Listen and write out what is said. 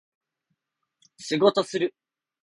仕事する